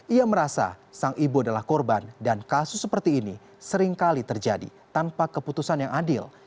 ia merasa sang ibu adalah korban dan kasus seperti ini seringkali terjadi tanpa keputusan yang adil